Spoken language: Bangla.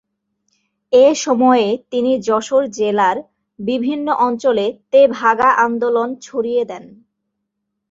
এ সময়ে তিনি যশোর জেলার বিভিন্ন অঞ্চলে তেভাগা আন্দোলন ছড়িয়ে দেন।